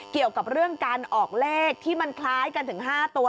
เกี่ยวกับเรื่องการออกเลขที่มันคล้ายกันถึง๕ตัว